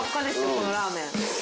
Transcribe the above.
このラーメン。